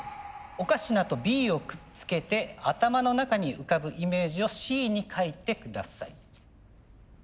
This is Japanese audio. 「『おかしな』と『Ｂ』をくっつけて頭の中に浮かぶイメージを『Ｃ』に書いてください」。